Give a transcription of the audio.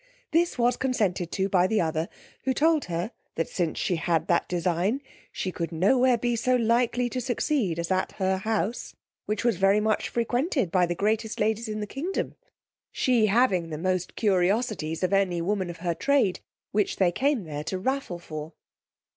This was consented to by the other, who told her, that since she had that design, she could no where be so likely to succeed as at her house, which was very much frequented by the greatest ladies in the kingdom, she having the most Curiosities of any woman of her trade, which they came there to raffle for.